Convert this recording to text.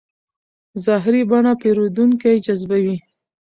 ظاهري بڼه پیرودونکی جذبوي.